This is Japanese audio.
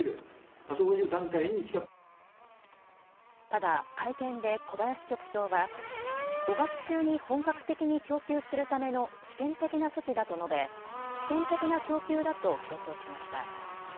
ただ、会見で小林局長は５月中に本格的に供給するための試験的な措置だと述べ試験的な供給だと強調しました。